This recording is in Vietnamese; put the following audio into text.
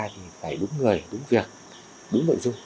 thì phải đúng người đúng việc đúng nội dung